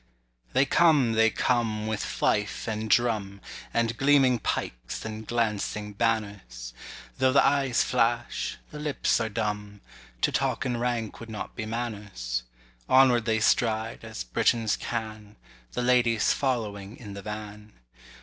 THEY come, they come, with fife and drum, And gleaming pikes and glancing banners: Though the eyes flash, the lips are dumb; To talk in rank would not be manners. Onward they stride, as Britons can; The ladies following in the Van.